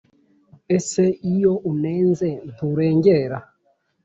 ese iyo unenze nturengera